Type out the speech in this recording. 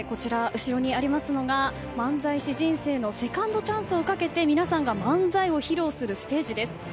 後ろにありますのが漫才師人生のセカンドチャンスをかけて皆さんが漫才を披露するステージです。